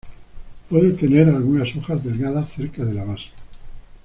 Puede tener algunas hojas delgadas cerca de la base.